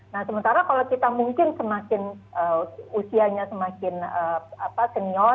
nah sementara kalau kita mungkin semakin usianya semakin senior